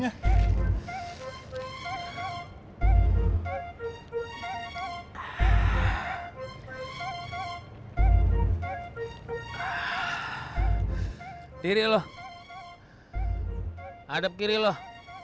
yang tadi aja tisna imut